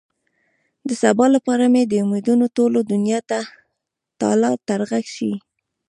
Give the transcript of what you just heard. د سبا لپاره مې د امېدونو ټوله دنيا تالا ترغه شي.